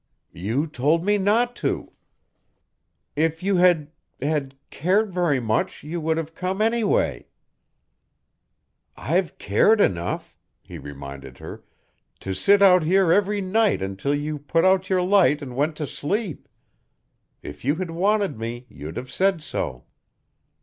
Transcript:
"You told me not to." "If you had had cared very much you would have come any way." "I've cared enough," he reminded her, "to sit out here every night until you put out your light and went to sleep. If you had wanted me you'd have said so."